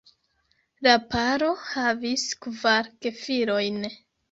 La paro havis kvar gefilojn.